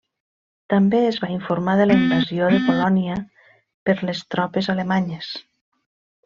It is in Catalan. També es va informar de la invasió de Polònia per les tropes alemanyes.